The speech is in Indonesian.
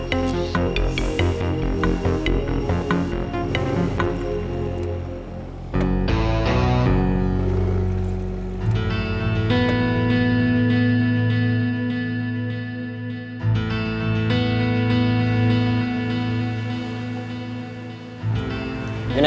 aku mau ke sana